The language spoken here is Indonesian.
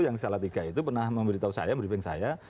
yang salah tiga itu pernah memberitahu saya briefing saya